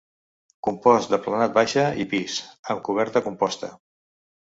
Compost de planat baixa i pis, amb coberta composta.